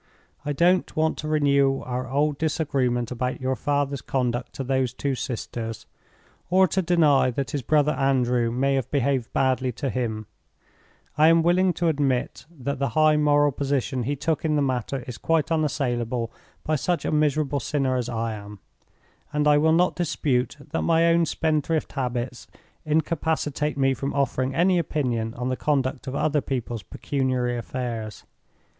I don't want to renew our old disagreement about your father's conduct to those two sisters, or to deny that his brother Andrew may have behaved badly to him; I am willing to admit that the high moral position he took in the matter is quite unassailable by such a miserable sinner as I am; and I will not dispute that my own spendthrift habits incapacitate me from offering any opinion on the conduct of other people's pecuniary affairs.